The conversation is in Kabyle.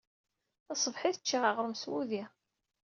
Taṣebḥit-a, cciɣ aɣrum s wudi.